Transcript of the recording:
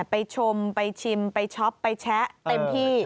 ไปชมไปชิมไปช็อปไปแชะเต็มที่